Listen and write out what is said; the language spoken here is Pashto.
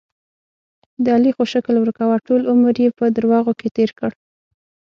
د علي خو شکل ورکوه، ټول عمر یې په دروغو کې تېر کړ.